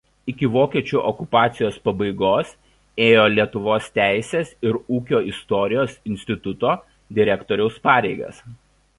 Iki vokiečių okupacijos pabaigos ėjo Lietuvos teisės ir ūkio istorijos instituto direktoriaus pareigas.